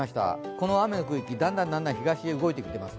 この雨の区域、だんだん東へ動いてきています。